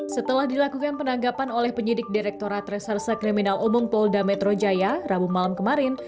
setelah dilakukan penangkapan oleh penyidik direkturat reserse kriminal umum polda metro jaya rabu malam kemarin